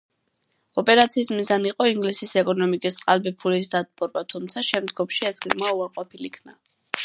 ოპერაციის მიზანი იყო ინგლისის ეკონომიკის ყალბი ფულით დატბორვა, თუმცა შემდგომში ეს გეგმა უარყოფილ იქნა.